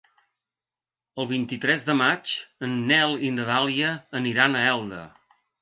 El vint-i-tres de maig en Nel i na Dàlia aniran a Elda.